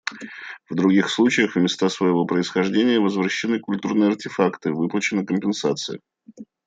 В других случаях в места своего происхождения возвращены культурные артефакты, выплачена компенсация.